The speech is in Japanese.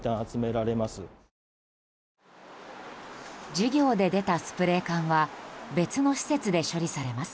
事業で出たスプレー缶は別の施設で処理されます。